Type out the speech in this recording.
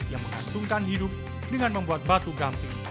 yang mengandungkan hidup dengan membuat batu gampit